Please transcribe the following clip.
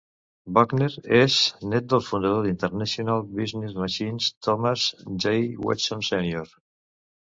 Buckner és nét del fundador d'International Business Machines, Thomas J. Watson, Sr.